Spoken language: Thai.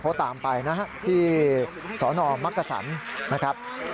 เขาตามไปนะครับที่สอนอมมักกระสันนะครับ